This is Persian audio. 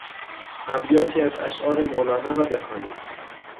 ابیاتی از اشعار مولانا را بخوانیم